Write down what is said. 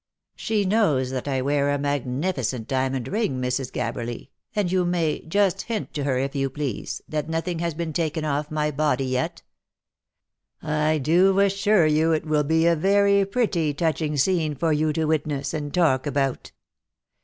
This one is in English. She knows that I wear a magnificent diamond ring, Mrs. Gabberly, and you may just hint to her, if you please, that nothing has been taken off my body yet. I do assure you it will be a very pretty touching scene for you to witness, and talk about.